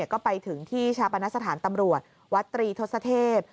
ก็ไปถึงที่ชาปนสถานตำรวจวัดตรีทศเทพ